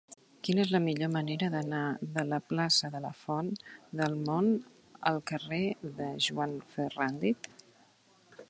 Quina és la millor manera d'anar de la plaça de la Font del Mont al carrer de Joan Ferrándiz?